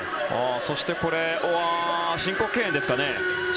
そして申告敬遠ですかね。